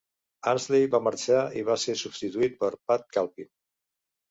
Ansley va marxar i va ser substituït per Pat Calpin.